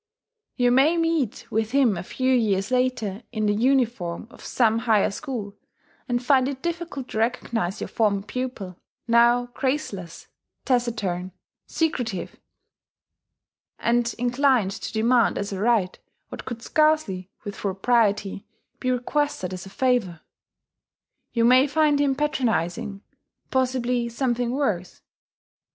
You may meet with him a few years later, in the uniform of some Higher School, and find it difficult to recognize your former pupil, now graceless, taciturn, secretive, and inclined to demand as a right what could scarcely, with propriety, be requested as a favour. You may find him patronizing, possibly something worse.